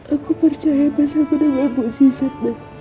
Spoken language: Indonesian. aku percaya mas aku denganmu siset